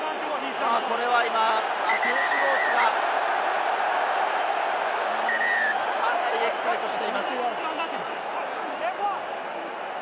選手同士がかなりエキサイトしています。